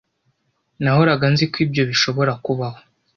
nahoraga nzi ko ibyo bishobora kubaho.